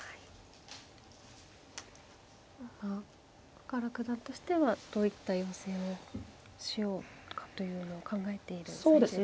深浦九段としてはどういった寄せをしようかというのを考えている最中ですか。